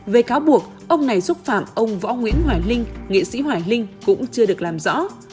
về cáo buộc ông này xúc phạm ông võ nguyễn hoài linh nghệ sĩ hoài linh cũng chưa được làm rõ